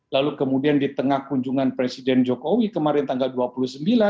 lalu kemudian di tengah kunjungan presiden jokowi kemarin tanggal dua puluh sembilan